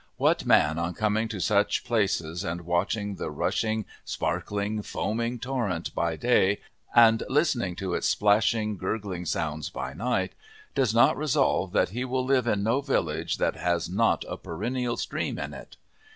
What man on coming to such places and watching the rushing, sparkling, foaming torrent by day and listening to its splashing, gurgling sounds by night, does not resolve that he will live in no village that has not a perennial stream in it!